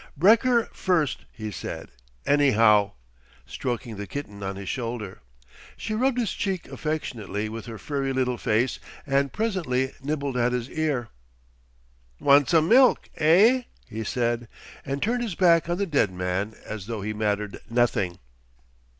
"Brekker first," he said, "anyhow," stroking the kitten on his shoulder. She rubbed his cheek affectionately with her furry little face and presently nibbled at his ear. "Wan' some milk, eh?" he said, and turned his back on the dead man as though he mattered nothing.